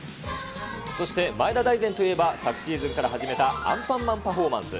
そして前田大然といえば、昨シーズンから始めたアンパンマンパフォーマンス。